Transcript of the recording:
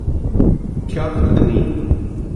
Ceacht a naoi